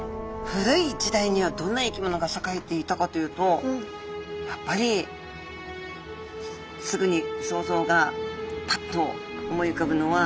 古い時代にはどんな生き物が栄えていたかというとやっぱりすぐに想像がぱっと思いうかぶのは。